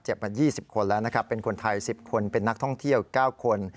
เจ็บมา๒๐คนแล้วเป็นคนไทย๑๐คนเป็นนักท่องเที่ยว๙คน